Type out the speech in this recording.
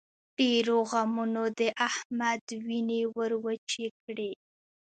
ډېرو غمونو د احمد وينې ور وچې کړې.